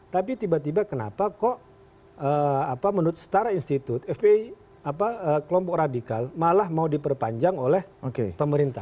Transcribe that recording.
tapi tiba tiba kenapa kok menurut setara institut fpi kelompok radikal malah mau diperpanjang oleh pemerintah